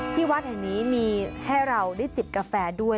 วัดแห่งนี้มีให้เราได้จิบกาแฟด้วย